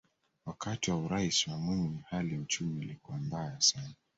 wakati wa uraisi wa mwinyi hali ya uchumi ilikuwa mbaya sana